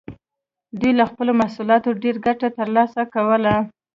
دوی له خپلو محصولاتو ډېره ګټه ترلاسه کوله.